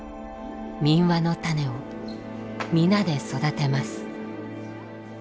「民話の種」を皆で育てます。